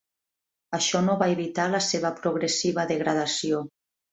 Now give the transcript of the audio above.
Això no va evitar la seva progressiva degradació.